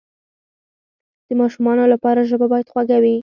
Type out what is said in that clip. د ماشومانو لپاره ژبه باید خوږه وي.